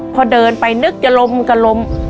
พอเดินไปนึกจะลมจะลม